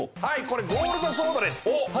はいこれゴールドソードです